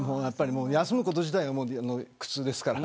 休むこと自体が苦痛ですから。